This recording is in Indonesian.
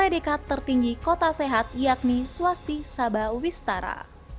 dan memiliki kekuatan tertinggi kota sehat yakni swasti saba uwistara